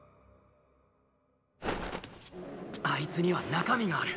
あいつには中身がある。